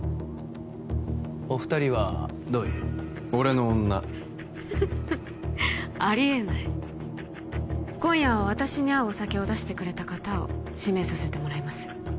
お二人はどういう俺の女フフフありえない今夜は私に合うお酒を出してくれた方を指名させてもらいます